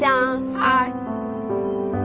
はい。